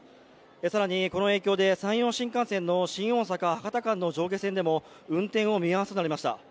更に、この影響で山陽新幹線の新大阪−博多間でも運転を見合わせとなりました。